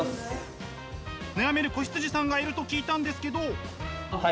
悩める子羊さんがいると僕たちです。